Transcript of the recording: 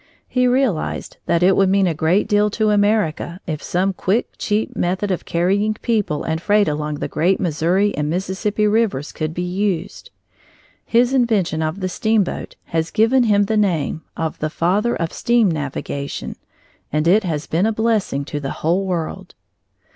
He realized that it would mean a great deal to America if some quick, cheap method of carrying people and freight along the great Missouri and Mississippi rivers could be used. His invention of the steamboat has given him the name of the "Father of Steam Navigation," and it has been a blessing to the whole world.